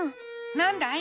なんだい？